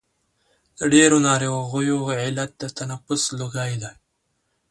ډېرو ناروغیو علت د تنفس لوګی دی.